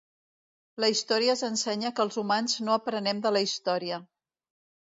La història ens ensenya que els humans no aprenem de la història.